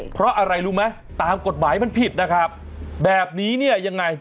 เพราะอะไรรู้ไหมตามกฎหมายมันผิดนะครับแบบนี้เนี่ยยังไง